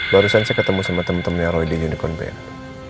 barusan saya ketemu sama teman temannya roy di unicorn band